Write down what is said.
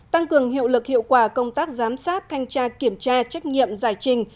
tăng cường hiệu lực hiệu quả công tác giám sát thanh tra kiểm tra trách nhiệm giải trình